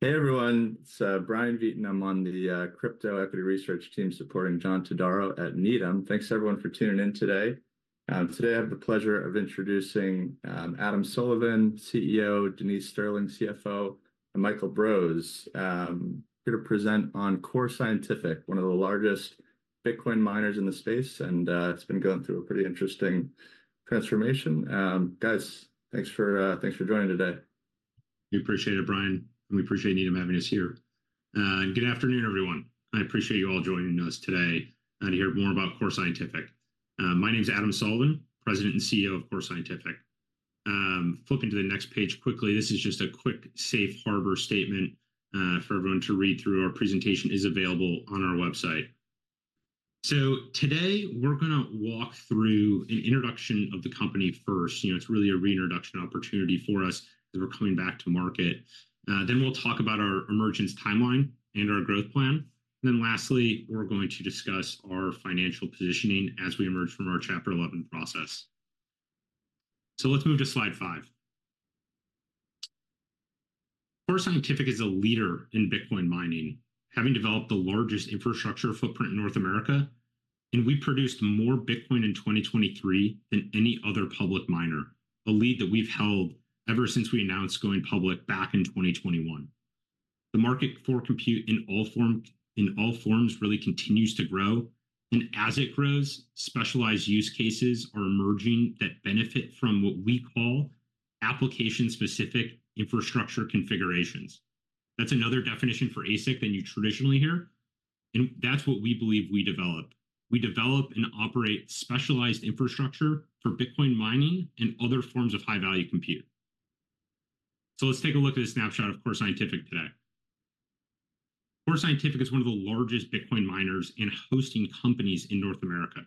Hey, everyone, it's Brian Vieten. I'm on the crypto equity research team supporting John Todaro at Needham. Thanks, everyone, for tuning in today. Today, I have the pleasure of introducing Adam Sullivan, CEO; Denise Sterling, CFO; and Michael Bros here to present on Core Scientific, one of the largest Bitcoin miners in the space, and it's been going through a pretty interesting transformation. Guys, thanks for joining today. We appreciate it, Brian, and we appreciate Needham having us here. Good afternoon, everyone. I appreciate you all joining us today, to hear more about Core Scientific. My name is Adam Sullivan, President and CEO of Core Scientific. Flipping to the next page quickly, this is just a quick safe harbor statement, for everyone to read through. Our presentation is available on our website. So today, we're gonna walk through an introduction of the company first. You know, it's really a reintroduction opportunity for us as we're coming back to market. Then we'll talk about our emergence timeline and our growth plan. And then lastly, we're going to discuss our financial positioning as we emerge from our Chapter 11 process. So let's move to slide 5. Core Scientific is a leader in Bitcoin mining, having developed the largest infrastructure footprint in North America, and we produced more Bitcoin in 2023 than any other public miner, a lead that we've held ever since we announced going public back in 2021. The market for compute in all form, in all forms really continues to grow, and as it grows, specialized use cases are emerging that benefit from what we call application-specific infrastructure configurations. That's another definition for ASIC than you traditionally hear, and that's what we believe we develop. We develop and operate specialized infrastructure for Bitcoin mining and other forms of high-value compute. So let's take a look at a snapshot of Core Scientific today. Core Scientific is one of the largest Bitcoin miners and hosting companies in North America.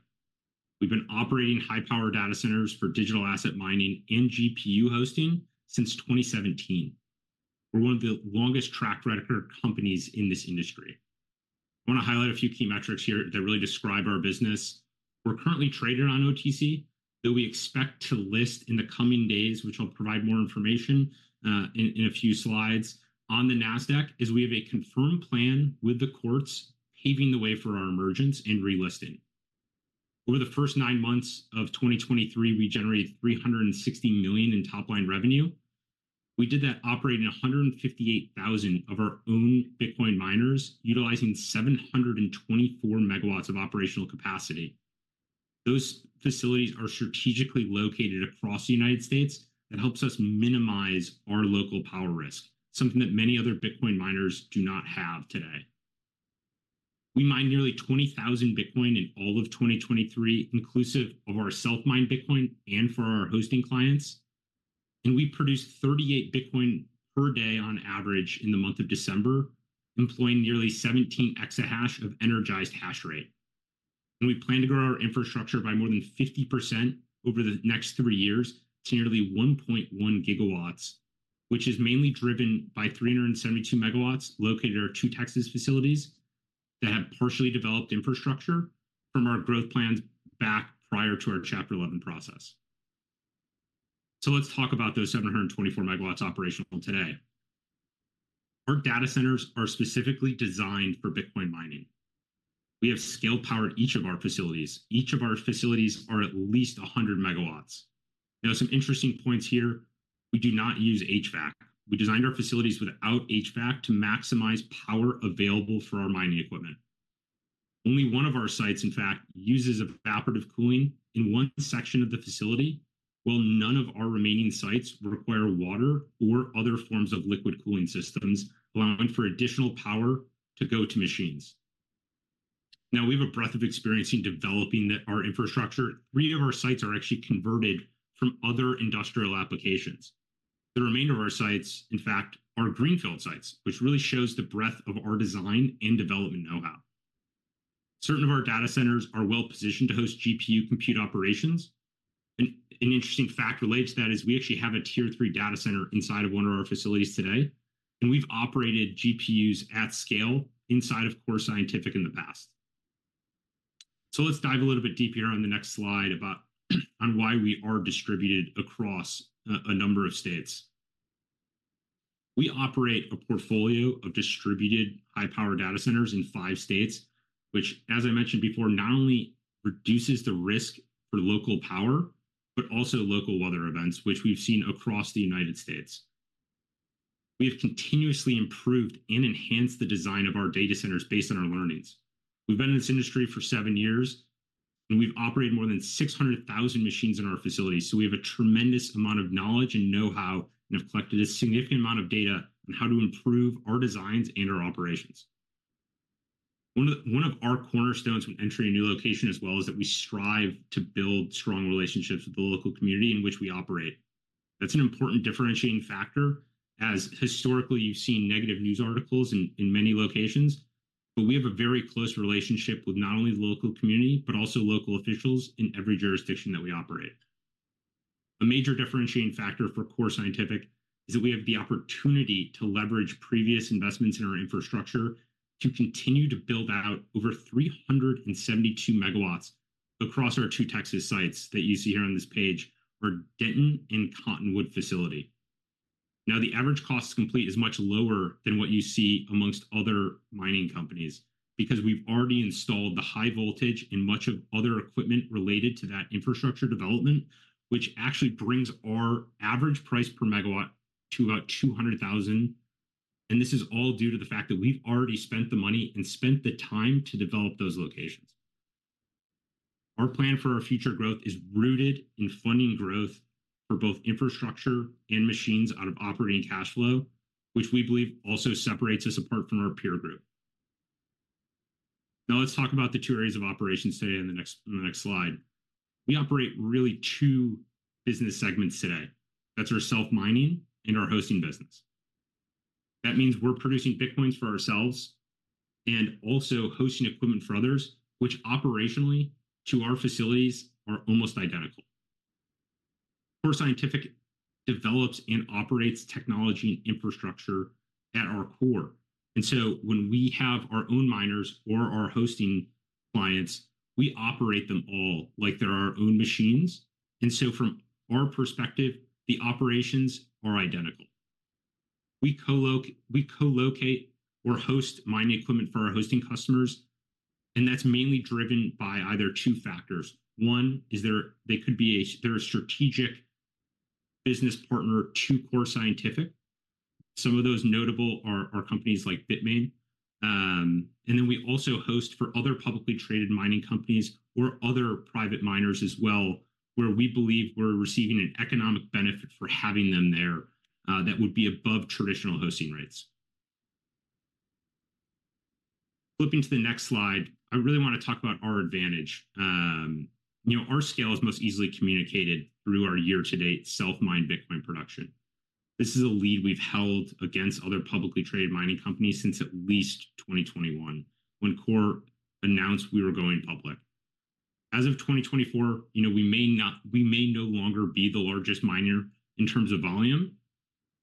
We've been operating high-power data centers for digital asset mining and GPU hosting since 2017. We're one of the longest track record companies in this industry. I wanna highlight a few key metrics here that really describe our business. We're currently traded on OTC that we expect to list in the coming days, which I'll provide more information in a few slides. On the Nasdaq as we have a confirmed plan with the courts, paving the way for our emergence and relisting. Over the first nine months of 2023, we generated $360 million in top-line revenue. We did that operating 158,000 of our own Bitcoin miners, utilizing 724 MW of operational capacity. Those facilities are strategically located across the United States and helps us minimize our local power risk, something that many other Bitcoin miners do not have today. We mined nearly 20,000 Bitcoin in all of 2023, inclusive of our self-mined Bitcoin and for our hosting clients, and we produced 38 Bitcoin per day on average in the month of December, employing nearly 17 exahash of energized hash rate. And we plan to grow our infrastructure by more than 50% over the next 3 years to nearly 1.1 GW, which is mainly driven by 372 MW located at our two Texas facilities that have partially developed infrastructure from our growth plans back prior to our Chapter 11 process. So let's talk about those 724 MW operational today. Our data centers are specifically designed for Bitcoin mining. We have scale power at each of our facilities. Each of our facilities are at least 100 MW. Now, some interesting points here, we do not use HVAC. We designed our facilities without HVAC to maximize power available for our mining equipment. Only one of our sites, in fact, uses evaporative cooling in one section of the facility, while none of our remaining sites require water or other forms of liquid cooling systems, allowing for additional power to go to machines. Now, we have a breadth of experience in developing our infrastructure. Three of our sites are actually converted from other industrial applications. The remainder of our sites, in fact, are greenfield sites, which really shows the breadth of our design and development know-how. Certain of our data centers are well-positioned to host GPU compute operations. An interesting fact related to that is we actually have a Tier 3 data center inside of one of our facilities today, and we've operated GPUs at scale inside of Core Scientific in the past. So let's dive a little bit deeper on the next slide about on why we are distributed across a number of states. We operate a portfolio of distributed high-power data centers in five states, which, as I mentioned before, not only reduces the risk for local power, but also local weather events, which we've seen across the United States. We have continuously improved and enhanced the design of our data centers based on our learnings. We've been in this industry for seven years, and we've operated more than 600,000 machines in our facilities, so we have a tremendous amount of knowledge and know-how, and have collected a significant amount of data on how to improve our designs and our operations. One of, one of our cornerstones when entering a new location, as well, is that we strive to build strong relationships with the local community in which we operate. That's an important differentiating factor, as historically, you've seen negative news articles in, in many locations, but we have a very close relationship with not only the local community, but also local officials in every jurisdiction that we operate. A major differentiating factor for Core Scientific is that we have the opportunity to leverage previous investments in our infrastructure to continue to build out over 372 MW-... Across our two Texas sites that you see here on this page are Denton and Cottonwood facility. Now, the average cost to complete is much lower than what you see amongst other mining companies, because we've already installed the high voltage and much of other equipment related to that infrastructure development, which actually brings our average price per megawatt to about $200,000, and this is all due to the fact that we've already spent the money and spent the time to develop those locations. Our plan for our future growth is rooted in funding growth for both infrastructure and machines out of operating cash flow, which we believe also separates us apart from our peer group. Now, let's talk about the two areas of operations today in the next slide. We operate really two business segments today. That's our self-mining and our hosting business. That means we're producing Bitcoin for ourselves and also hosting equipment for others, which operationally to our facilities, are almost identical. Core Scientific develops and operates technology infrastructure at our core. And so when we have our own miners or our hosting clients, we operate them all like they're our own machines. And so from our perspective, the operations are identical. We co-locate or host mining equipment for our hosting customers, and that's mainly driven by either two factors. One is they're a strategic business partner to Core Scientific. Some of those notable are companies like Bitmain. And then we also host for other publicly traded mining companies or other private miners as well, where we believe we're receiving an economic benefit for having them there, that would be above traditional hosting rates. Flipping to the next slide, I really want to talk about our advantage. You know, our scale is most easily communicated through our year-to-date self-mined Bitcoin production. This is a lead we've held against other publicly traded mining companies since at least 2021, when Core announced we were going public. As of 2024, you know, we may no longer be the largest miner in terms of volume,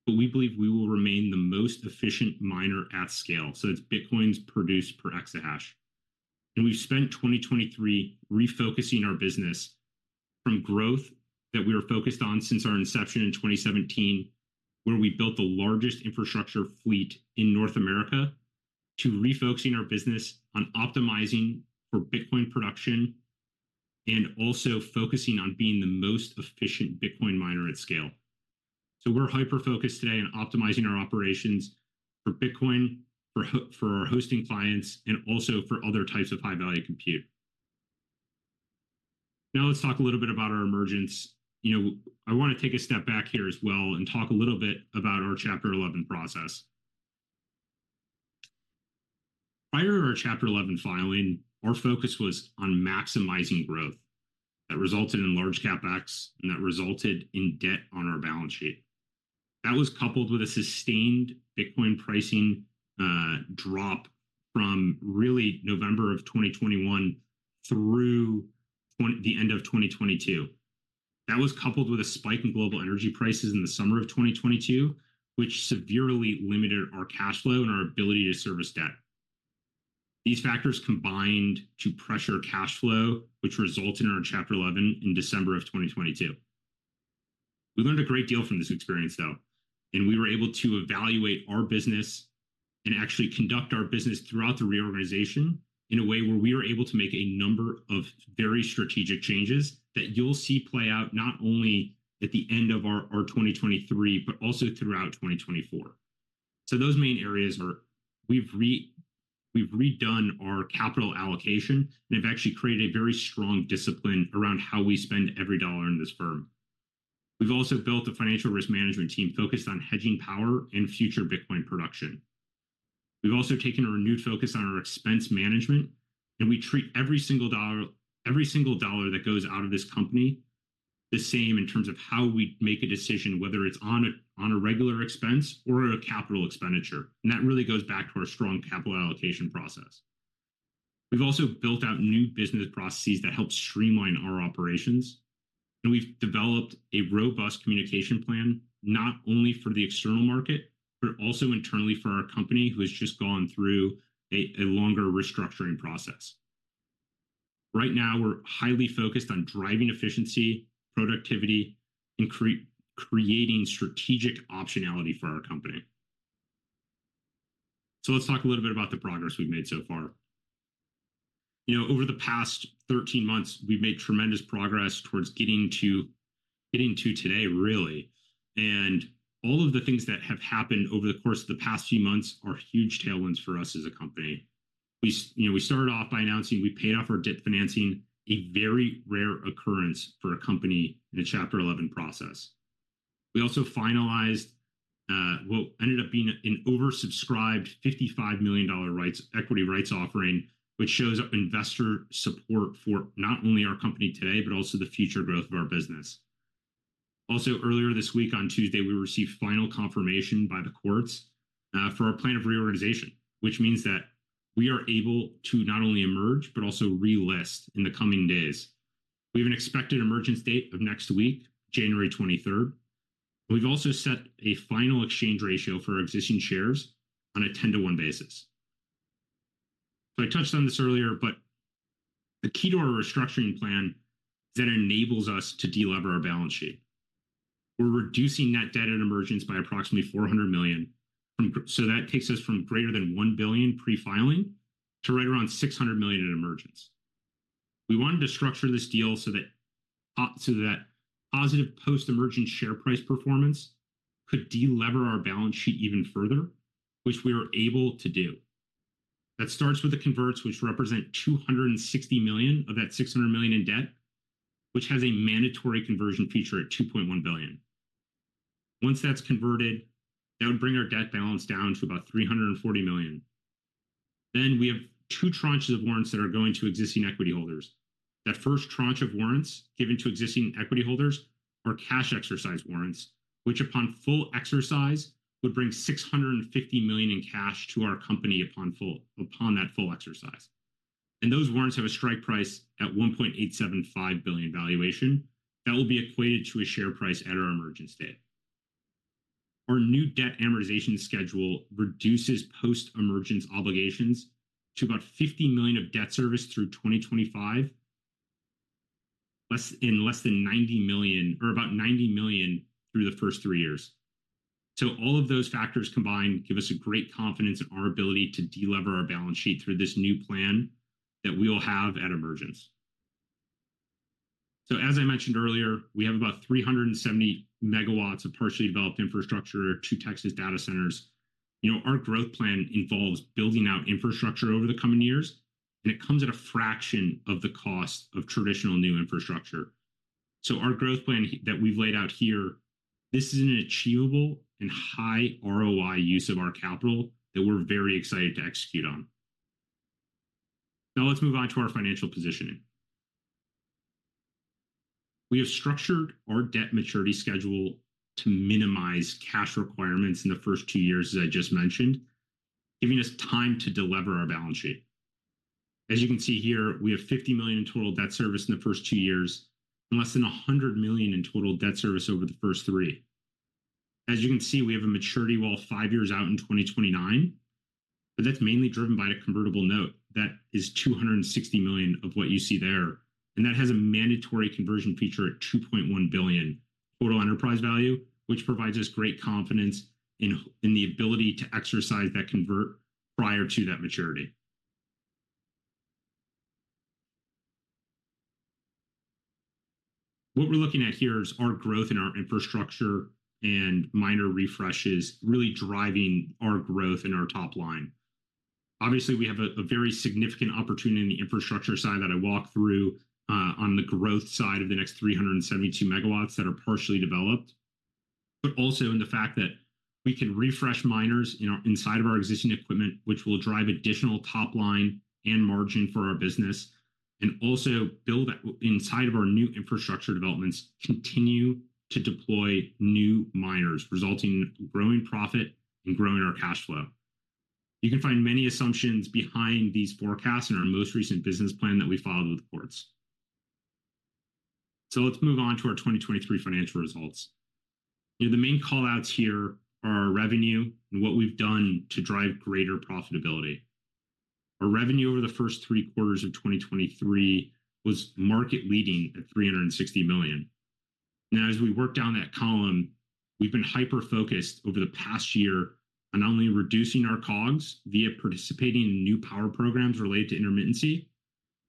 but we believe we will remain the most efficient miner at scale, so it's bitcoins produced per exahash. And we've spent 2023 refocusing our business from growth that we were focused on since our inception in 2017, where we built the largest infrastructure fleet in North America, to refocusing our business on optimizing for Bitcoin production and also focusing on being the most efficient Bitcoin miner at scale. So we're hyper-focused today on optimizing our operations for Bitcoin, for our hosting clients, and also for other types of high-value compute. Now, let's talk a little bit about our emergence. You know, I want to take a step back here as well and talk a little bit about our Chapter 11 process. Prior to our Chapter 11 filing, our focus was on maximizing growth. That resulted in large CapEx, and that resulted in debt on our balance sheet. That was coupled with a sustained Bitcoin pricing drop from really November of 2021 through the end of 2022. That was coupled with a spike in global energy prices in the summer of 2022, which severely limited our cash flow and our ability to service debt. These factors combined to pressure cash flow, which resulted in our Chapter 11 in December of 2022. We learned a great deal from this experience, though, and we were able to evaluate our business and actually conduct our business throughout the reorganization in a way where we were able to make a number of very strategic changes that you'll see play out not only at the end of our 2023, but also throughout 2024. So those main areas are, we've redone our capital allocation, and we've actually created a very strong discipline around how we spend every dollar in this firm. We've also built a financial risk management team focused on hedging power and future Bitcoin production. We've also taken a renewed focus on our expense management, and we treat every single dollar, every single dollar that goes out of this company the same in terms of how we make a decision, whether it's on a regular expense or a capital expenditure, and that really goes back to our strong capital allocation process. We've also built out new business processes that help streamline our operations, and we've developed a robust communication plan, not only for the external market, but also internally for our company, who has just gone through a longer restructuring process. Right now, we're highly focused on driving efficiency, productivity, and creating strategic optionality for our company. So let's talk a little bit about the progress we've made so far. You know, over the past 13 months, we've made tremendous progress towards getting to, getting to today, really. All of the things that have happened over the course of the past few months are huge tailwinds for us as a company. We you know, we started off by announcing we paid off our debt financing, a very rare occurrence for a company in a Chapter 11 process. We also finalized what ended up being an oversubscribed $55 million rights equity rights offering, which shows up investor support for not only our company today, but also the future growth of our business. Also, earlier this week, on Tuesday, we received final confirmation by the courts for our plan of reorganization, which means that we are able to not only emerge, but also relist in the coming days. We have an expected emergence date of next week, January 23rd. We've also set a final exchange ratio for existing shares on a 10-to-1 basis. I touched on this earlier, but the key to our restructuring plan that enables us to de-lever our balance sheet, we're reducing net debt at emergence by approximately $400 million from. So that takes us from greater than $1 billion pre-filing to right around $600 million at emergence. We wanted to structure this deal so that so that positive post-emergence share price performance could de-lever our balance sheet even further, which we are able to do. That starts with the converts, which represent $260 million of that $600 million in debt, which has a mandatory conversion feature at $2.1 billion. Once that's converted, that would bring our debt balance down to about $340 million. Then we have two tranches of warrants that are going to existing equity holders. That first tranche of warrants given to existing equity holders are cash exercise warrants, which, upon full exercise, would bring $650 million in cash to our company upon that full exercise. Those warrants have a strike price at $1.875 billion valuation. That will be equated to a share price at our emergence date. Our new debt amortization schedule reduces post-emergence obligations to about $50 million of debt service through 2025, less than $90 million or about $90 million through the first three years. All of those factors combined give us a great confidence in our ability to de-lever our balance sheet through this new plan that we will have at emergence. As I mentioned earlier, we have about 370 MW of partially developed infrastructure, 2 Texas data centers. You know, our growth plan involves building out infrastructure over the coming years, and it comes at a fraction of the cost of traditional new infrastructure. So our growth plan that we've laid out here, this is an achievable and high ROI use of our capital that we're very excited to execute on. Now let's move on to our financial positioning. We have structured our debt maturity schedule to minimize cash requirements in the first two years, as I just mentioned, giving us time to de-lever our balance sheet. As you can see here, we have $50 million in total debt service in the first two years, and less than $100 million in total debt service over the first 3. As you can see, we have a maturity wall five years out in 2029, but that's mainly driven by the convertible note. That is $260 million of what you see there, and that has a mandatory conversion feature at $2.1 billion total enterprise value, which provides us great confidence in the ability to exercise that convert prior to that maturity. What we're looking at here is our growth in our infrastructure and miner refreshes really driving our growth in our top line. Obviously, we have a very significant opportunity in the infrastructure side that I walked through on the growth side of the next 372 MW that are partially developed. But also in the fact that we can refresh miners, you know, inside of our existing equipment, which will drive additional top line and margin for our business, and also build that inside of our new infrastructure developments, continue to deploy new miners, resulting in growing profit and growing our cash flow. You can find many assumptions behind these forecasts in our most recent business plan that we filed with the courts. So let's move on to our 2023 financial results. The main call-outs here are our revenue and what we've done to drive greater profitability. Our revenue over the first three quarters of 2023 was market-leading at $360 million. Now, as we work down that column, we've been hyper-focused over the past year on not only reducing our COGS via participating in new power programs related to intermittency,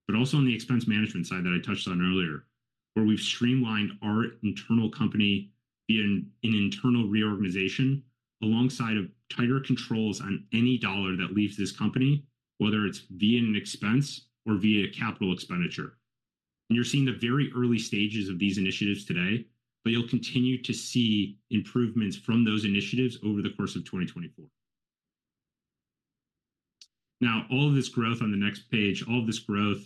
but also on the expense management side that I touched on earlier, where we've streamlined our internal company via an internal reorganization alongside of tighter controls on any dollar that leaves this company, whether it's via an expense or via a capital expenditure. You're seeing the very early stages of these initiatives today, but you'll continue to see improvements from those initiatives over the course of 2024. Now, all of this growth on the next page, all of this growth,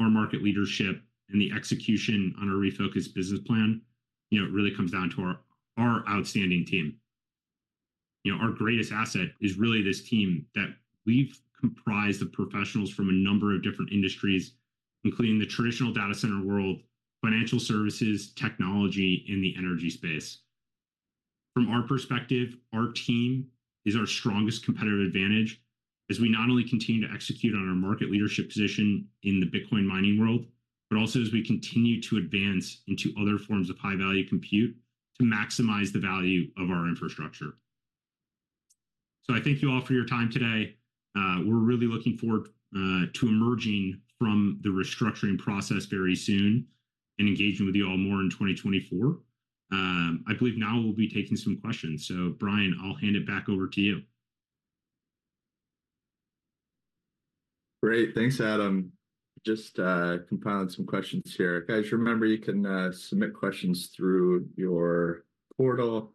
our market leadership and the execution on our refocused business plan, you know, it really comes down to our outstanding team. You know, our greatest asset is really this team that we've comprised of professionals from a number of different industries, including the traditional data center world, financial services, technology, and the energy space. From our perspective, our team is our strongest competitive advantage as we not only continue to execute on our market leadership position in the Bitcoin mining world, but also as we continue to advance into other forms of high-value compute to maximize the value of our infrastructure. So I thank you all for your time today. We're really looking forward to emerging from the restructuring process very soon and engaging with you all more in 2024. I believe now we'll be taking some questions. So Brian, I'll hand it back over to you. Great. Thanks, Adam. Just compiling some questions here. Guys, remember, you can submit questions through your portal.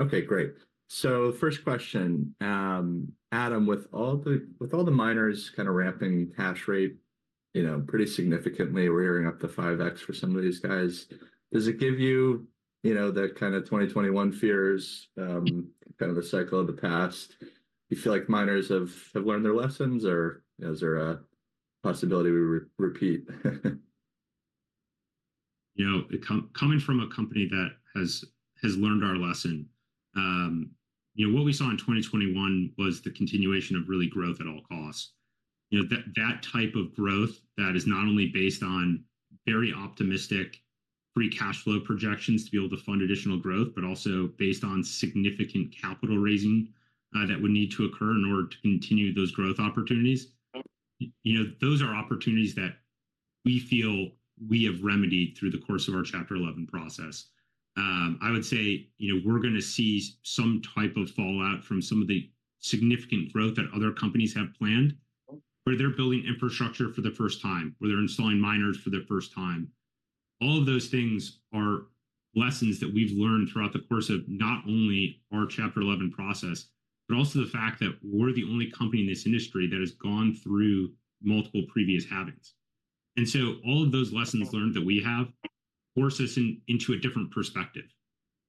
Okay, great. So first question, Adam, with all the, with all the miners kind of ramping hash rate, you know, pretty significantly, we're hearing up to 5x for some of these guys, does it give you, you know, the kind of 2021 fears, kind of a cycle of the past? Do you feel like miners have, have learned their lessons or, you know, is there a possibility we repeat. You know, coming from a company that has learned our lesson, you know, what we saw in 2021 was the continuation of really growth at all costs. You know, that type of growth that is not only based on very optimistic free cash flow projections to be able to fund additional growth, but also based on significant capital raising that would need to occur in order to continue those growth opportunities. You know, those are opportunities that we feel we have remedied through the course of our Chapter 11 process. I would say, you know, we're gonna see some type of fallout from some of the significant growth that other companies have planned, where they're building infrastructure for the first time, where they're installing miners for the first time. All of those things are lessons that we've learned throughout the course of not only our Chapter 11 process, but also the fact that we're the only company in this industry that has gone through multiple previous halvings. So all of those lessons learned that we have force us into a different perspective.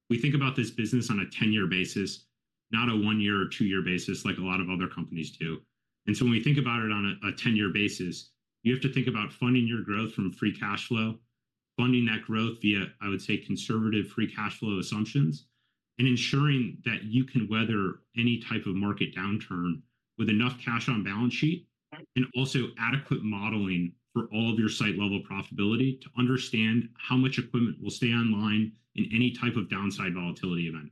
We think about this business on a ten-year basis, not a one-year or two-year basis, like a lot of other companies do. And so when we think about it on a ten-year basis, you have to think about funding your growth from a free cash flow, funding that growth via, I would say, conservative free cash flow assumptions, and ensuring that you can weather any type of market downturn with enough cash on balance sheet, and also adequate modeling for all of your site-level profitability to understand how much equipment will stay online in any type of downside volatility event.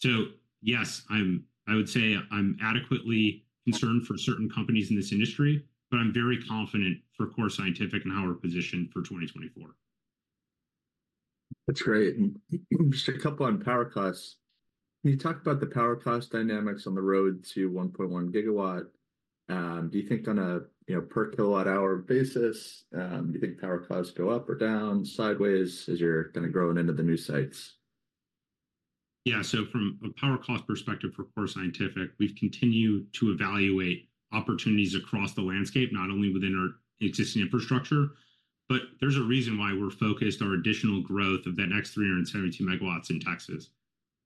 So yes, I would say I'm adequately concerned for certain companies in this industry, but I'm very confident for Core Scientific and how we're positioned for 2024. That's great. Just a couple on power costs. Can you talk about the power cost dynamics on the road to 1.1 GW? Do you think on a, you know, per kilowatt-hour basis, do you think power costs go up or down, sideways, as you're kind of growing into the new sites? Yeah. So from a power cost perspective for Core Scientific, we've continued to evaluate opportunities across the landscape, not only within our existing infrastructure. But there's a reason why we're focused on additional growth of that next 372 MW in Texas.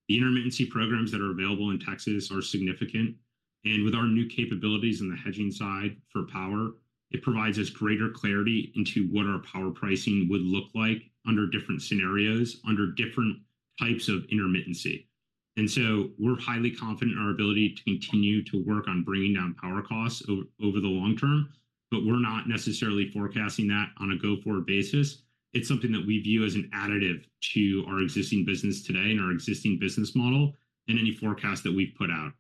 The intermittency programs that are available in Texas are significant, and with our new capabilities in the hedging side for power, it provides us greater clarity into what our power pricing would look like under different scenarios, under different types of intermittency. And so we're highly confident in our ability to continue to work on bringing down power costs over, over the long-term, but we're not necessarily forecasting that on a go-forward basis. It's something that we view as an additive to our existing business today and our existing business model in any forecast that we've put out.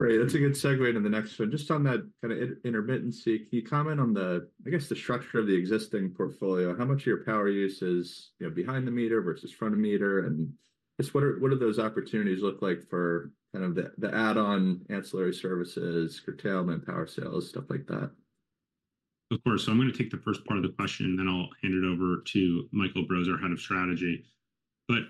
Great. That's a good segue into the next one. Just on that kind of intermittency, can you comment on the, I guess, the structure of the existing portfolio? How much of your power use is, you know, behind the meter versus front of meter, and just what are, what do those opportunities look like for kind of the, the add-on ancillary services, curtailment, power sales, stuff like that? Of course. So I'm gonna take the first part of the question, and then I'll hand it over to Michael Bros, our head of strategy. But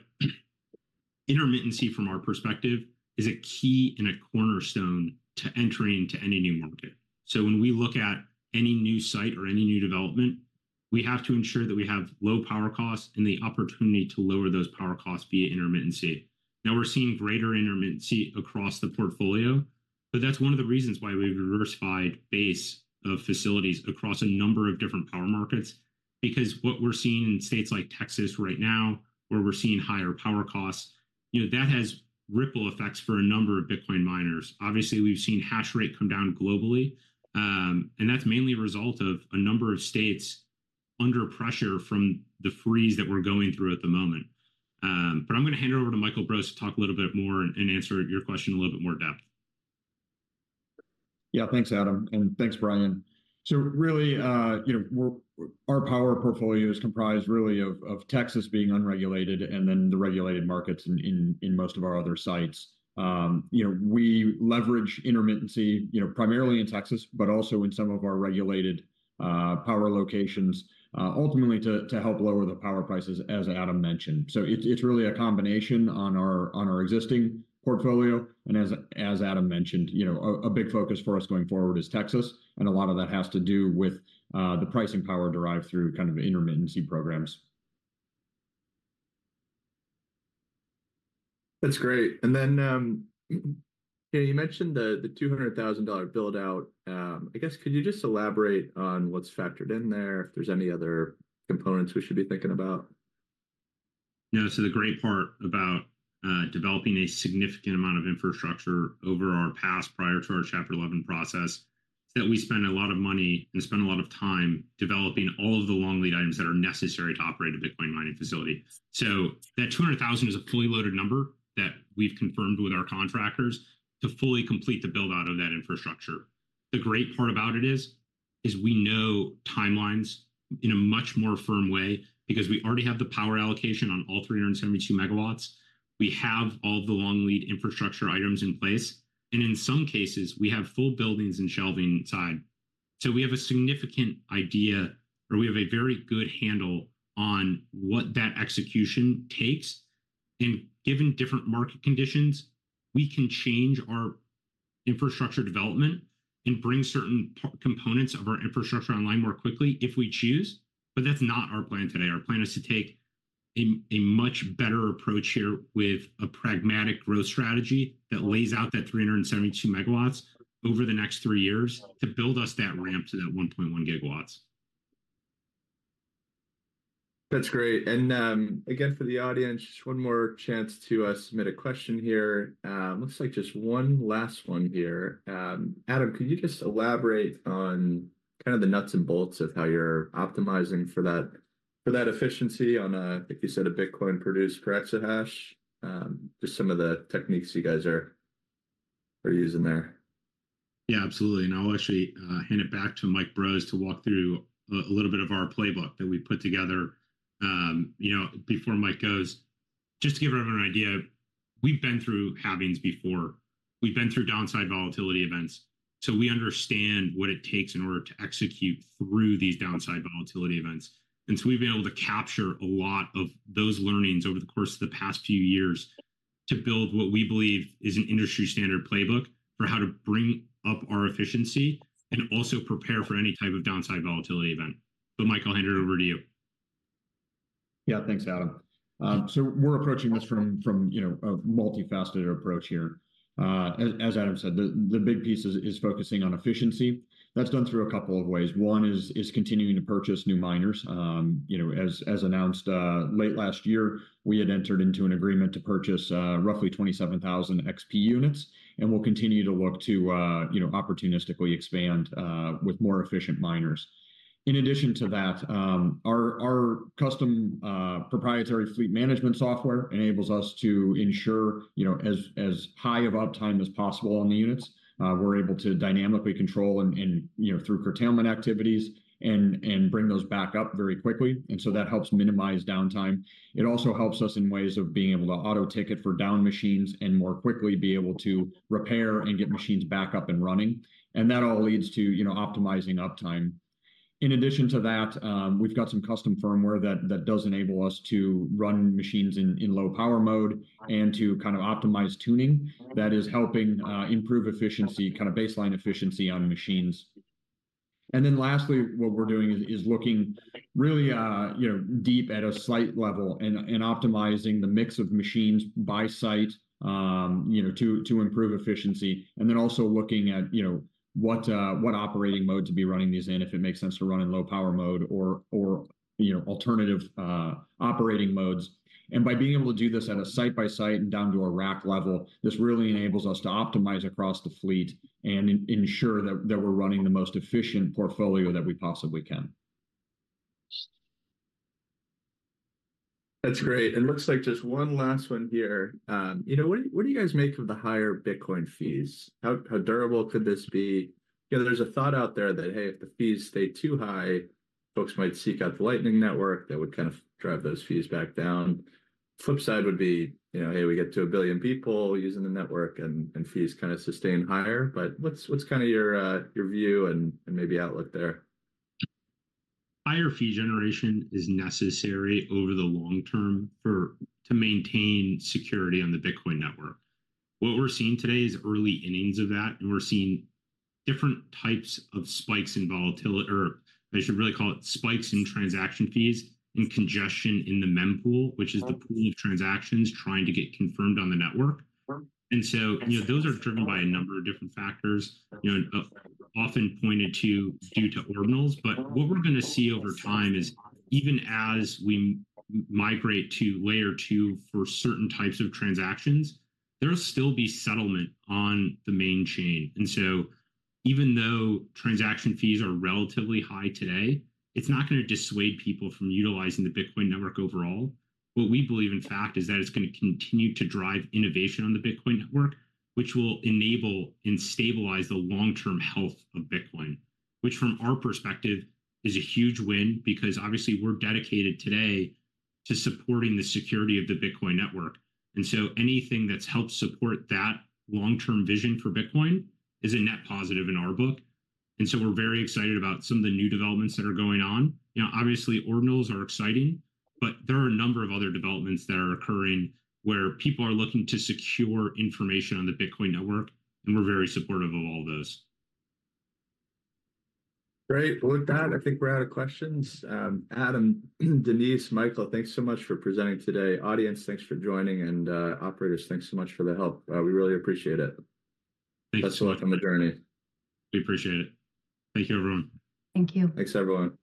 intermittency, from our perspective, is a key and a cornerstone to entering into any new market. So when we look at any new site or any new development, we have to ensure that we have low power costs and the opportunity to lower those power costs via intermittency. Now, we're seeing greater intermittency across the portfolio, but that's one of the reasons why we've a diversified base of facilities across a number of different power markets. Because what we're seeing in states like Texas right now, where we're seeing higher power costs, you know, that has ripple effects for a number of Bitcoin miners. Obviously, we've seen hash rate come down globally, and that's mainly a result of a number of states under pressure from the freeze that we're going through at the moment. But I'm gonna hand it over to Michael Bros to talk a little bit more and, and answer your question in a little bit more depth. Yeah. Thanks, Adam, and thanks, Brian. So really, you know, we're our power portfolio is comprised really of Texas being unregulated and then the regulated markets in most of our other sites. You know, we leverage intermittency, you know, primarily in Texas, but also in some of our regulated power locations, ultimately to help lower the power prices, as Adam mentioned. So it's really a combination on our existing portfolio. And as Adam mentioned, you know, a big focus for us going forward is Texas, and a lot of that has to do with the pricing power derived through kind of the intermittency programs. That's great. And then, yeah, you mentioned the $200,000 build-out. I guess, could you just elaborate on what's factored in there, if there's any other components we should be thinking about? Yeah, so the great part about developing a significant amount of infrastructure over our past, prior to our Chapter 11 process, is that we spent a lot of money and spent a lot of time developing all of the long lead items that are necessary to operate a Bitcoin mining facility. So that $200,000 is a fully loaded number that we've confirmed with our contractors to fully complete the build-out of that infrastructure. The great part about it is we know timelines in a much more firm way because we already have the power allocation on all 372 MW. We have all the long lead infrastructure items in place, and in some cases, we have full buildings and shelving inside. So we have a significant idea, or we have a very good handle on what that execution takes. Given different market conditions, we can change our infrastructure development and bring certain components of our infrastructure online more quickly if we choose, but that's not our plan today. Our plan is to take a much better approach here with a pragmatic growth strategy that lays out 372 MW over the next three years to build us that ramp to 1.1 GW. That's great. And, again, for the audience, just one more chance to submit a question here. Looks like just one last one here. Adam, could you just elaborate on kind of the nuts and bolts of how you're optimizing for that, for that efficiency on a, like you said, a Bitcoin produced per exahash? Just some of the techniques you guys are using there. Yeah, absolutely. I'll actually hand it back to Mike Bros to walk through a little bit of our playbook that we put together. You know, before Mike goes, just to give everyone an idea, we've been through halvings before. We've been through downside volatility events, so we understand what it takes in order to execute through these downside volatility events. And so we've been able to capture a lot of those learnings over the course of the past few years to build what we believe is an industry-standard playbook for how to bring up our efficiency and also prepare for any type of downside volatility event. So Mike, I'll hand it over to you. Yeah, thanks, Adam. So we're approaching this from, you know, a multifaceted approach here. As Adam said, the big piece is focusing on efficiency. That's done through a couple of ways. One is continuing to purchase new miners. You know, as announced, late last year, we had entered into an agreement to purchase roughly 27,000 XP units, and we'll continue to look to, you know, opportunistically expand with more efficient miners. In addition to that, our custom proprietary fleet management software enables us to ensure, you know, as high of uptime as possible on the units. We're able to dynamically control and, you know, through curtailment activities and bring those back up very quickly, and so that helps minimize downtime. It also helps us in ways of being able to auto-ticket for down machines and more quickly be able to repair and get machines back up and running, and that all leads to, you know, optimizing uptime. In addition to that, we've got some custom firmware that does enable us to run machines in low power mode and to kind of optimize tuning that is helping improve efficiency, kind of baseline efficiency on machines. And then lastly, what we're doing is looking really, you know, deep at a site level and optimizing the mix of machines by site, you know, to improve efficiency. And then also looking at, you know, what operating mode to be running these in, if it makes sense to run in low power mode or, you know, alternative operating modes. By being able to do this at a site by site and down to a rack level, this really enables us to optimize across the fleet and ensure that we're running the most efficient portfolio that we possibly can. That's great. It looks like just one last one here. You know, what, what do you guys make of the higher Bitcoin fees? How, how durable could this be? You know, there's a thought out there that, hey, if the fees stay too high, folks might seek out the Lightning Network. That would kind of drive those fees back down. Flip side would be, you know, hey, we get to 1 billion people using the network, and, and fees kind of sustain higher. But what's, what's kind of your, your view and, and maybe outlook there? Higher fee generation is necessary over the long-term for to maintain security on the Bitcoin network. What we're seeing today is early innings of that, and we're seeing different types of spikes in volatility or I should really call it spikes in transaction fees and congestion in the mempool, which is the pool of transactions trying to get confirmed on the network. And so, you know, those are driven by a number of different factors, you know, often pointed to due to Ordinals. But what we're gonna see over time is, even as we migrate to Layer 2 for certain types of transactions, there will still be settlement on the main chain. And so even though transaction fees are relatively high today, it's not gonna dissuade people from utilizing the Bitcoin network overall. What we believe, in fact, is that it's gonna continue to drive innovation on the Bitcoin network, which will enable and stabilize the long-term health of Bitcoin, which, from our perspective, is a huge win because, obviously, we're dedicated today to supporting the security of the Bitcoin network. Anything that's helped support that long-term vision for Bitcoin is a net positive in our book. We're very excited about some of the new developments that are going on. You know, obviously, Ordinals are exciting, but there are a number of other developments that are occurring where people are looking to secure information on the Bitcoin network, and we're very supportive of all those. Great. Well, look, that I think we're out of questions. Adam, Denise, Michael, thanks so much for presenting today. Audience, thanks for joining, and operators, thanks so much for the help. We really appreciate it. Thanks so much. Best of luck on the journey. We appreciate it. Thank you, everyone. Thank you. Thanks, everyone.